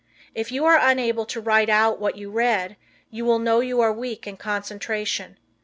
If you are unable to write out what you read, you will know you are weak in concentration.